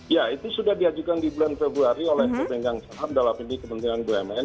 ya itu sudah diajukan di bulan februari oleh pemegang saham dalam ini kementerian bumn